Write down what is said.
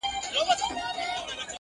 « اتفاق په پښتانه کي پیدا نه سو »٫